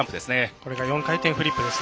これが４回転フリップです。